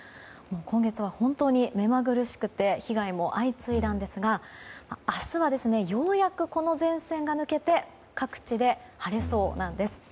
今月は本当に目まぐるしくて被害も相次いだんですが明日はようやくこの前線が抜けて各地で晴れそうなんです。